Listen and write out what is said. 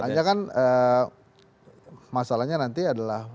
hanya kan masalahnya nanti adalah